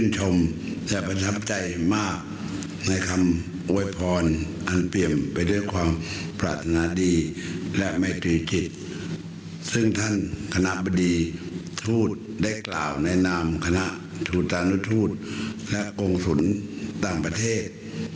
ทฮีมไปด้วยความปราธนดีและไม่คือคิดซึ่งท่านคณะประดีทูตได้กล่าวในนามคณะทูตตาธุทธ์และกงสุนต่างประเทศ